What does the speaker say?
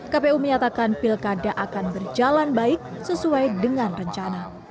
kpu menyatakan pilkada akan berjalan baik sesuai dengan rencana